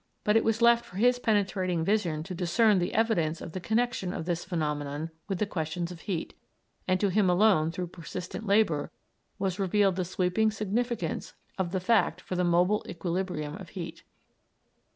But it was left for his penetrating vision to discern the evidence of the connexion of this phenomenon with questions of heat, and to him alone through persistent labor was revealed the sweeping significance of the fact for the mobile equilibrium of heat.